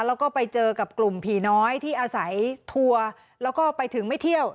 แล้วก็ไปเจอกับกลุ่มผีน้อยที่อาศัยทัวร์แล้วก็ไปถึงไม่เที่ยว